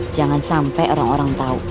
jangan sampai orang orang tahu